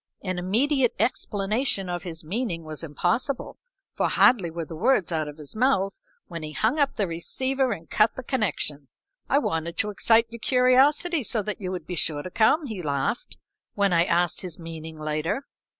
An immediate explanation of his meaning was impossible, for hardly were the words out of his mouth when he hung up the receiver and cut the connection. "I wanted to excite your curiosity so that you would be sure to come," he laughed, when I asked his meaning later.